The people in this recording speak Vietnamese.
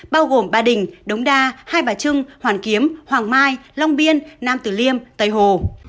bao gồm ba đình đống đa hai bà trưng hoàn kiếm hoàng mai long biên nam tử liêm tây hồ